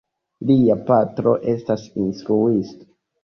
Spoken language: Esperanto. Lia patro estas instruisto.